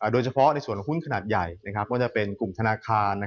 โดยเฉพาะในส่วนของหุ้นขนาดใหญ่ก็จะเป็นกลุ่มธนาคาร